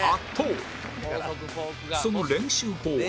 その練習法は